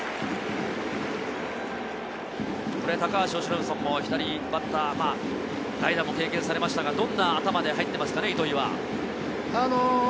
高橋由伸さんも左バッター、代打も経験されましたが、どんな頭で入ってますかね、糸井は。